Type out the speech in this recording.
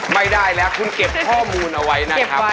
ไม่ได้แล้วคุณเก็บข้อมูลเอาไว้นะครับ